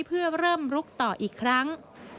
เพื่อเริ่มลุกต่ออีกครั้ง